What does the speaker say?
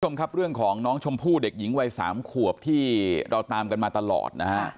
คุณผู้ชมครับเรื่องของน้องชมพู่เด็กหญิงวัย๓ขวบที่เราตามกันมาตลอดนะฮะ